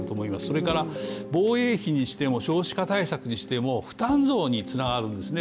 それから、防衛費にしても少子化対策にしても負担増につながるんですね。